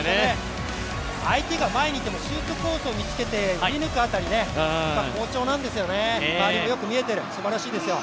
相手が前にいてもシュートコース見つけて振り抜くあたり好調なんでしょうね、周りもよく見えてる、すばらしいですよ。